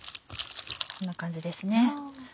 こんな感じですね。